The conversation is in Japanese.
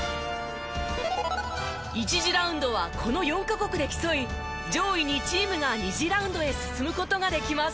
１次ラウンドはこの４カ国で競い上位２チームが２次ラウンドへ進む事ができます。